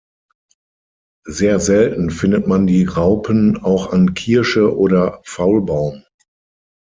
Sehr selten findet man die Raupen auch an Kirsche oder Faulbaum.